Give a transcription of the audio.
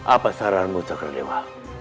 apa saranmu cakradewa